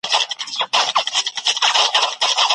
سالم ژوند د بدن د سم فعالیت او ذهن د ارامتیا لامل دی.